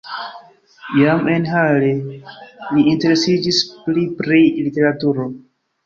Jam en Halle li interesiĝis pli pri literaturo.